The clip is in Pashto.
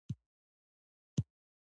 دوی د هېواد په کچه نیم تولیدات کول